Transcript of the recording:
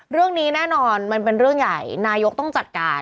เรื่องนี้แน่นอนมันเป็นเรื่องใหญ่นายกต้องจัดการ